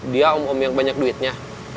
dia om om yang banyak duitnya